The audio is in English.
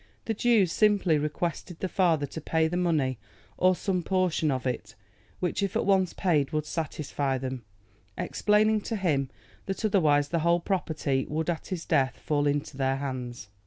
The Jews simply requested the father to pay the money or some portion of it, which if at once paid would satisfy them, explaining to him that otherwise the whole property would at his death fall into their hands.